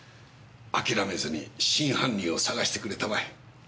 あきらめずに真犯人を捜してくれたまえ。